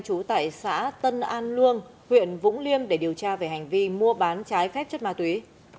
trú tại xã tân an luông huyện vũng liêm để điều tra về hành vi mua bán trái phép chất ma túy